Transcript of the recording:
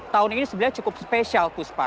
tahun ini sebenarnya cukup spesial puspa